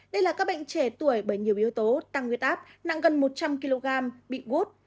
đây là các bệnh trẻ tuổi bởi nhiều yếu tố tăng huyết áp nặng gần một trăm linh kg bị gút